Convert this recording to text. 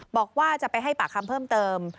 บอกว่าจะไปให้ปากคำเพิ่มเติม